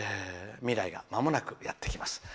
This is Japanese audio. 未来がまもなくやってきます。